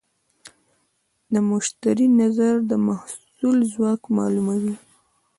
د مشتری نظر د محصول ځواک معلوموي.